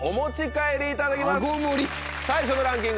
最初のランキング